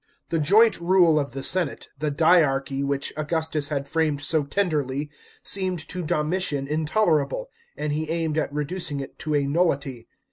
The joint rule of the senate, the "dyarchy" which Augustus had framed so tenderly, seemed to Domitian intolerable, and he aimed at reducing it to a nullity.